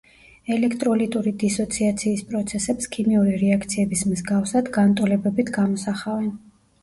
ელექტროლიტური დისოციაციის პროცესებს, ქიმიური რეაქციების მსგავსად, განტოლებებით გამოსახავენ.